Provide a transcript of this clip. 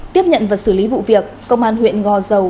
tiếp nhận và xử lý vụ việc công an huyện gò dầu